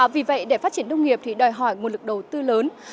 vì vậy để phát triển nông nghiệp thì đòi hỏi nguồn lực đầu tư lớn